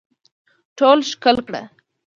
ټول ښکل کړه